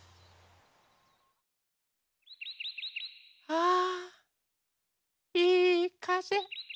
あいいかぜ。